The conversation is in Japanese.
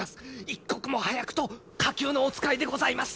一刻も早くと火急のお使いでございます！